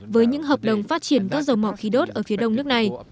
với những hợp đồng phát triển các dầu mỏ khí đốt ở phía đông nước này